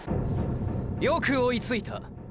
よく追いついた。